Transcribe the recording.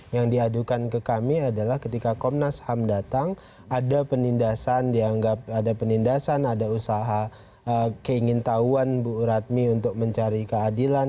yang diadukan ke kami adalah ketika komnas ham datang ada penindasan dianggap ada penindasan ada usaha keingin tahuan bu ratmi untuk mencari keadilan